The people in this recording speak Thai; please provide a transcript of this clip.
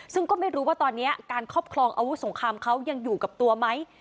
ซึ่งก็ไม่รู้ว่าตอนนี้การครอบครองอาวุธสงครามเขายังอยู่กับตัวไหม